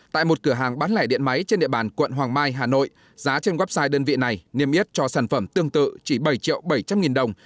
tại một cửa hàng bán lẻ điện máy trên địa bàn quận hoàng mai hà nội giá trên website đơn vị này niêm yết cho sản phẩm tương tự chỉ bảy triệu bảy trăm linh nghìn đồng